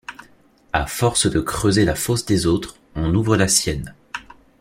À force de creuser la fosse des autres, on ouvre la sienne.